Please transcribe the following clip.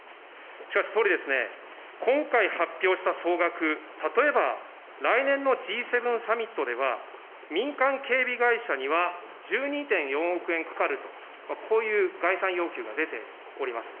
しかし総理ですね、今回発表した総額、例えば来年度のＧ７サミットでは、民間警備会社には１２．４億円かかると、こういう概算要求が出ております。